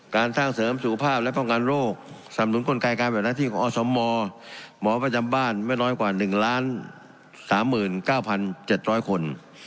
การสร้างเสริมสุขภาพและป้องกันโรคสำนุนกลไกการแบบหน้าที่ของอสมหมอประจำบ้านไม่น้อยกว่า๑๓๙๗๐๐คน